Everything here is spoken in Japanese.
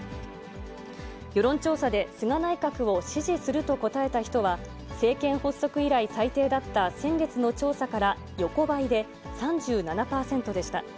世論調査で菅内閣を支持すると答えた人は政権発足以来最低だった先月の調査から横ばいで３７％でした。